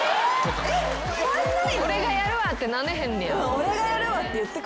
俺がやるわってなれへんねや。